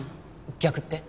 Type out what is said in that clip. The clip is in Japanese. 逆って？